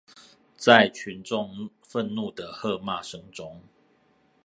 在群眾憤怒的喝罵聲中